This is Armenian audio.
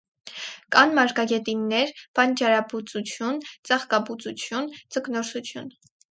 Կան մարգագետիններ, բանջարաբուծություն, ծաղկաբուծություն, ձկնորսություն։